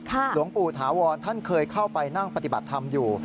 หลวงปู่ถาวรท่านเคยเข้าไปนั่งปฏิบัติธรรมอยู่